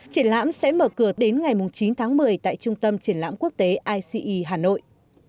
triển lãm sẽ mở cửa đến ngày chín tháng một mươi tại trung tâm triển lãm quốc tế ice hà nội